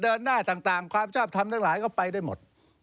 เดินหน้าต่างความชอบทำทั้งหลายก็ไปได้หมด